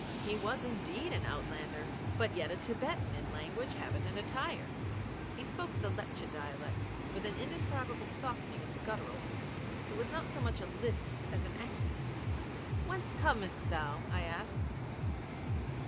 He was indeed an outlander, but yet a Thibetan in language, habit, and attire. He spoke the Lepcha dialect with an indescribable softening of the gutturals. It was not so much a lisp as an accent. 'Whence comest thou?' I asked.